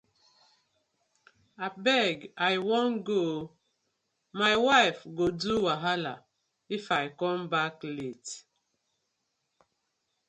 Abeg I wan go, my wife go do wahala If com back late.